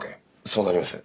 そうなります。